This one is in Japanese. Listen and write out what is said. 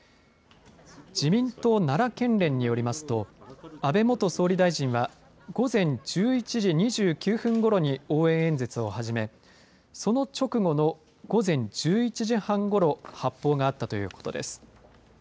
自民党奈良県連によりますと安倍元総理大臣は午前１１時２９分ごろに応援演説を始め、その直後の午前１１時半ごろ発砲があったということです。